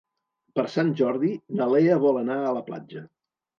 Per Sant Jordi na Lea vol anar a la platja.